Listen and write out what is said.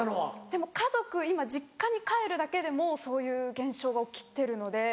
でも家族今実家に帰るだけでもそういう現象が起きてるので。